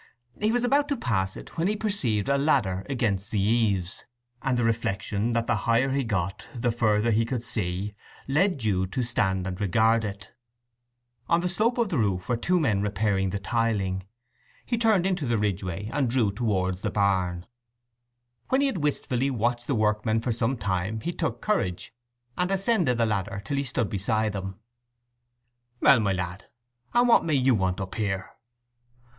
He was about to pass it when he perceived a ladder against the eaves; and the reflection that the higher he got, the further he could see, led Jude to stand and regard it. On the slope of the roof two men were repairing the tiling. He turned into the ridgeway and drew towards the barn. When he had wistfully watched the workmen for some time he took courage, and ascended the ladder till he stood beside them. "Well, my lad, and what may you want up here?"